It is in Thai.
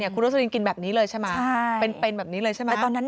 คุณโรสดินกินแบบนี้เลยใช่ไหมคะเป็นเป็นแบบนี้เลยใช่ไหมคะคุณโรสดินใช่